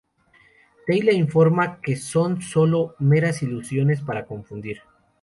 Teyla informa que son solo meras ilusiones para confundir.